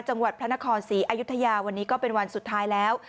จังหวัดพระนครศรีอายุทยาวันนี้ก็เป็นวันสุดท้ายแล้ว